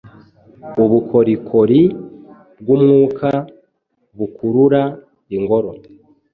Ubukorikori bwumwuka bukurura-ingoro